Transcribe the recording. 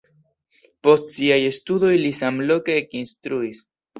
Post siaj studoj li samloke ekinstruis.